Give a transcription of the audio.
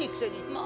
まあ。